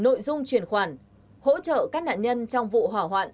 nội dung truyền khoản hỗ trợ các nạn nhân trong vụ hỏa hoạn